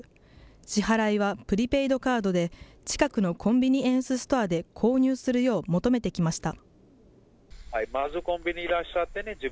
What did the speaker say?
支払いは、プリペイドカードで、近くのコンビニエンスストアで購入するよう求めてきました。